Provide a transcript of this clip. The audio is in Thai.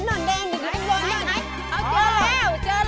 แดงอยู่ข้างบนแดงอยู่ข้างบน